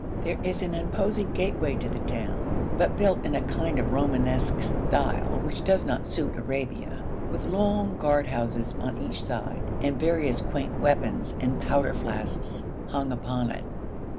There is an imposing gateway to the town but built in a kind of Romanesque style which does not suit Arabia with long guard houses on each side, and various quaint weapons and powder flasks hung upon it.